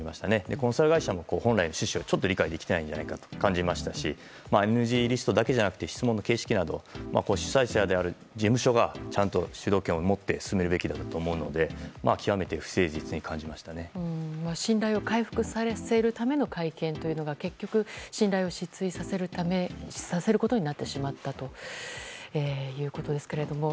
コンサルティング会社も本来の趣旨をちょっと理解できていないと感じましたしＮＧリストだけではなくて質問の形式など主催者である事務所がちゃんと主導権を持って進めるべきだと思うので極めて不誠実だと信頼を回復させるための会見というのが結局、信頼を失墜させることになってしまったということですけれども。